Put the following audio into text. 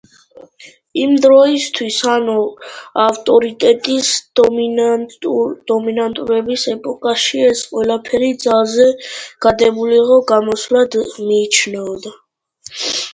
იმ დროისთვის, ანუ ავტორიტეტის დომინირების ეპოქაში, ეს ყველაფერი ძალზე გაბედულ გამოსვლად მიიჩნეოდა.